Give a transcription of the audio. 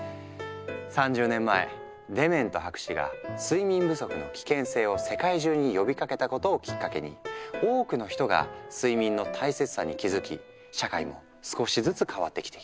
３０年前デメント博士が睡眠不足の危険性を世界中に呼びかけたことをきっかけに多くの人が睡眠の大切さに気付き社会も少しずつ変わってきている。